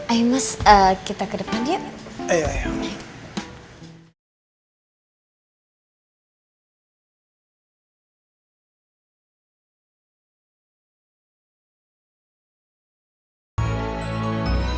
ayo mas kita ke depan ya